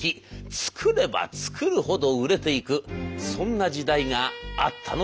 作れば作るほど売れていくそんな時代があったのでございます。